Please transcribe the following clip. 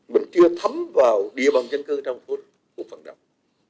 mình chưa thấm vào địa bàn dân cư trong cuộc phận động